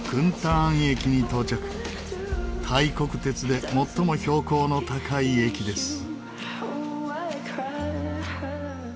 タイ国鉄で最も標高の高い駅です。